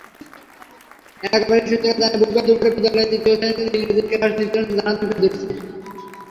এলাকাবাসী সূত্র জানায়, বুধবার দুপুরে বিদ্যালয়ে তৃতীয় শ্রেণির ইংরেজির ক্লাস নিচ্ছিলেন জান্নাতুল ফেরদৌসী।